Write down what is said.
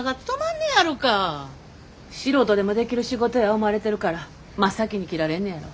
素人でもできる仕事や思われてるから真っ先に切られんねやろ。